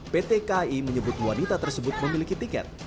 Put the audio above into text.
pt kai menyebut wanita tersebut memiliki tiket